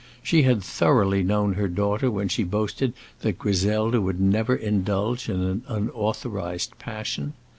She had thoroughly known her daughter when she boasted that Griselda would never indulge in an unauthorized passion.